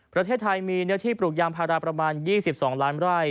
ประเทศไทยมีเนื้อที่ปลูกยางพาราประมาณ๒๒ล้านไร่